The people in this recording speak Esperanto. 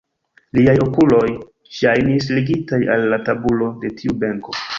Liaj okuloj ŝajnis ligitaj al la tabulo de tiu benko.